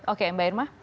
oke mbak irma